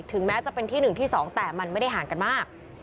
ถึงแม้จะเป็นที่หนึ่งที่สองแต่มันไม่ได้ห่างกันมาก